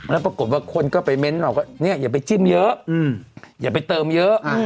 แล้วปรากฏว่าคนก็ไปเม้นต์อย่าไปจิ้มเยอะอย่าไปเติมเยอะ